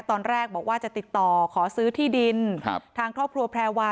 ตอนแรกบอกว่าจะติดต่อขอซื้อที่ดินครับทางครอบครัวแพรวา